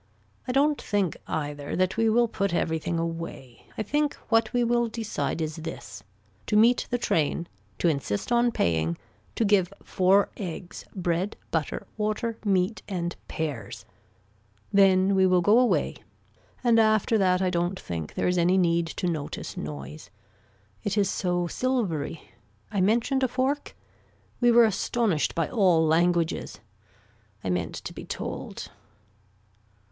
I don't think either that we will put everything away, I think what we will decide is this, to meet the train, to insist on paying, to give four eggs, bread, butter, water, meat and pears. Then we will go away and after that I don't think there is any need to notice noise. It is so silvery. I mentioned a fork. We were astonished by all languages. I meant to be told.